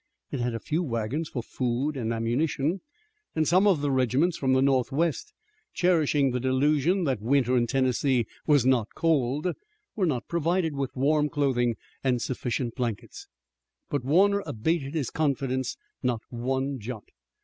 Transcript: It had few wagons for food and ammunition, and some of the regiments from the northwest, cherishing the delusion that winter in Tennessee was not cold, were not provided with warm clothing and sufficient blankets. But Warner abated his confidence not one jot.